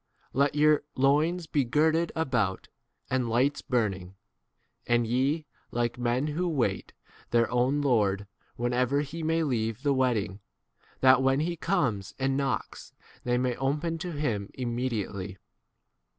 Let your loins be girded about, and 36 lights burning ; and ye like men who wait their own lord when ever he may leave the wed ding, that when he comes and knocks they may open to him im 37 mediately.